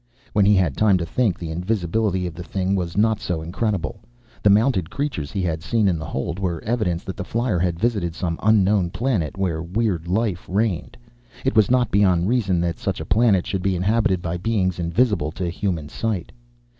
When he had time to think, the invisibility of the thing was not so incredible. The mounted creatures he had seen in the hold were evidence that the flier had visited some unknown planet, where weird life reigned. It was not beyond reason that such a planet should be inhabited by beings invisible to human sight.